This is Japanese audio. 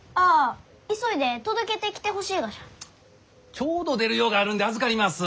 ちょうど出る用があるんで預かります。